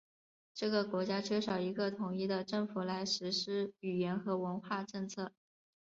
这个国家缺少一个统一的政府来实施语言和文化政策。